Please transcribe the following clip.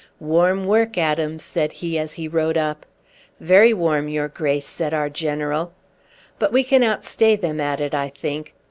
"Warm work, Adams," said he as he rode up. "Very warm, your grace," said our general. "But we can outstay them at it, I think.